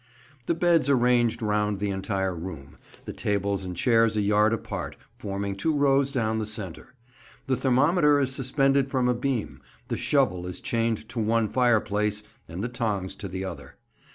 The beds are ranged round the entire room, the tables and chairs a yard apart forming two rows down the centre; the thermometer is suspended from a beam, the shovel is chained to one fire place, and the tongs to the other.